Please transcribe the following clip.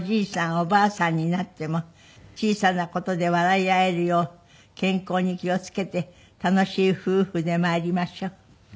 おばあさんになっても小さな事で笑い合えるよう健康に気を付けて楽しい夫婦でまいりましょう」